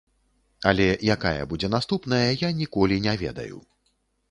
Але якая будзе наступная, я ніколі не ведаю.